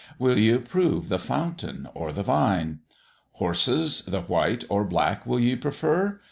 Will ye approve the Fountain or the Vine? Horses the white or black will ye prefer?